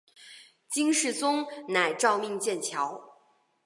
金世宗乃诏命建桥。